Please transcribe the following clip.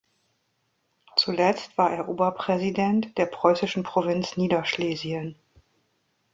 Zuletzt war er Oberpräsident der preußischen Provinz Niederschlesien.